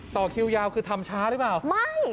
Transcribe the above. ต่อคิวยาวคือทำช้าหรือเปล่าไม่